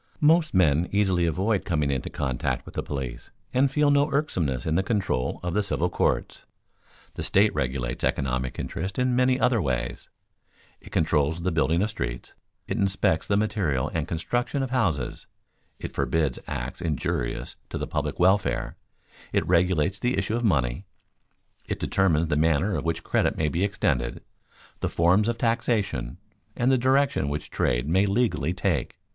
Most men easily avoid coming into contact with the police and feel no irksomeness in the control of the civil courts. The state regulates economic interests in many other ways; it controls the building of streets; it inspects the material and construction of houses; it forbids acts injurious to the public welfare; it regulates the issue of money; it determines the manner in which credit may be extended, the forms of taxation, and the direction which trade may legally take.